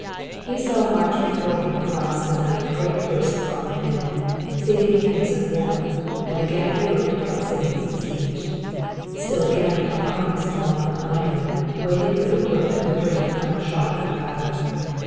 He saw march before him across the night great hosts of armed men, singing hymns of war; and again he looked upon cities besieged; still again upon armies in long alignment waiting for the word that would bring the final shock of battle.